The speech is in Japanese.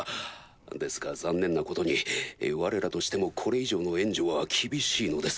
ですが残念なことにわれらとしてもこれ以上の援助は厳しいのです。